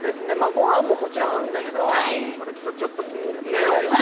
ごはんももちろん合うんだけどこれとちょっとビールとかね